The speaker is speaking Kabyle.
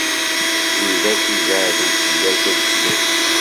Wid akk ibeɛden fell-ak ad fnun.